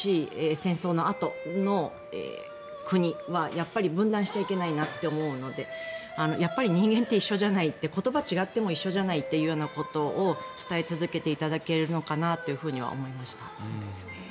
戦争のあとの国はやっぱり分断しちゃいけないなと思うのでやっぱり人間って一緒じゃない言葉が違っても一緒じゃないということを伝え続けていただけるのかなと思いました。